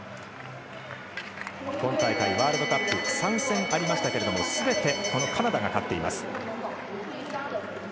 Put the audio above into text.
今大会ワールドカップ３戦ありましたがすべてこのカナダが勝っています。